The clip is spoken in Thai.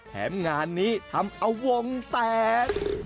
แถมงานนี้ทำเอาวงแตก